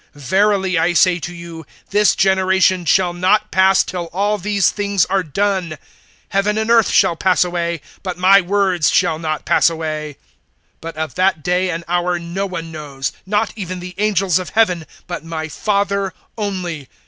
(34)Verily I say to you, this generation shall not pass, till all these things are done. (35)Heaven and earth shall pass away; but my words shall not pass away. (36)But of that day and hour no one knows, not even the angels of heaven, but my Father only.